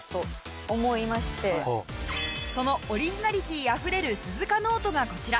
そのオリジナリティーあふれる鈴花ノートがこちら。